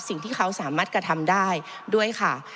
สิ่งที่เขาสามารถกระทำได้ด้วยค่ะ